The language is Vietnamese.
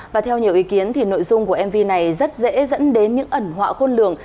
và theo nhiều ý kiến nội dung của mv này rất dễ dẫn đến những ẩn họa khôn lường